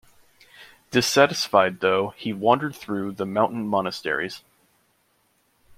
Dissatisfied, though, he wandered through the mountain monasteries.